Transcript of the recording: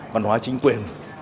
văn hóa chính quyền